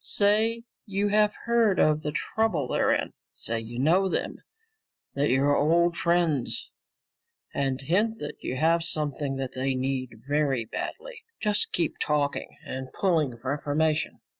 Say you have heard of the trouble they're in. Say you know them, that you're old friends, and hint that you have something that they need very badly. Just keep talking and pulling for information.